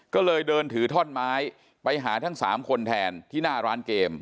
ก็เลยเดินถือท่อนไม้ไปหาทั้ง๓คนแทนที่หน้าร้านเกม